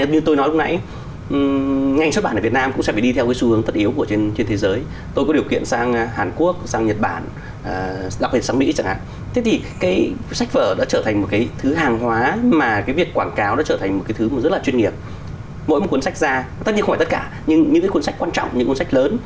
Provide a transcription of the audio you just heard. mỗi một cuốn sách ra tất nhiên không phải tất cả nhưng những cuốn sách quan trọng những cuốn sách lớn